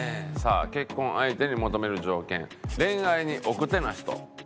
「結婚相手に求める条件恋愛に奥手な人」